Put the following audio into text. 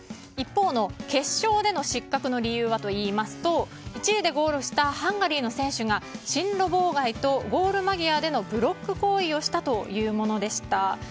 一方の決勝での失格の理由は１位でゴールしたハンガリーの選手が進路妨害とゴール間際でのブロック行為をしたというものでした。